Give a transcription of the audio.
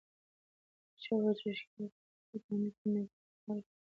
پاچا وویل چې ښکار په ډنډ کې نه بلکې په غره کې کېږي.